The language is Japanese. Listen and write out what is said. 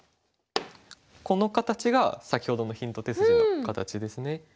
この形が先ほどのヒント手筋の形ですね。